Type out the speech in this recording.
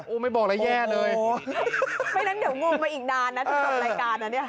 ไม่บอกแล้วแย่เลยไม่งั้นเดี๋ยวงงมาอีกนานนะถึงจบรายการนะเนี่ย